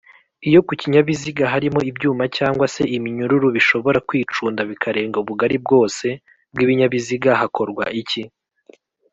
iyo kukinyabiziga harimo ibyuma cg se iminyururu bishobora kwicunda bikarenga ubugali bwose bw’ibinyabiziga hakorwa iki